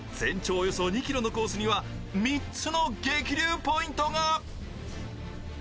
およそ２ｋｍのコースには３つの激流ポイントが。